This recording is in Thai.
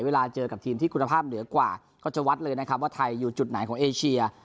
เวลาเจอกับทีมที่คุณภาพเหนือกว่าก็จะวัดเลยนะครับว่าไทยอยู่จุดไหนของเอเชีย